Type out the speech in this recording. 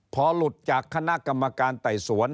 พอหลุดจากคณะกรรมการไต่สวน